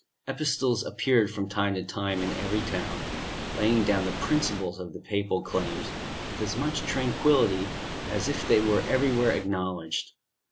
Epistles appeared from time to time in every town, laying down the principles of the papal claims with as much tranquillity as if they were everywhere acknowledged.